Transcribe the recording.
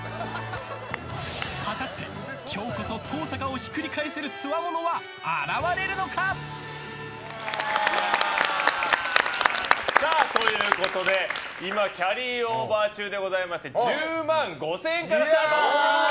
果たして今日こそ登坂をひっくり返せる強者は現れるのか？ということで今キャリーオーバー中でございまして１０万５０００円からスタート！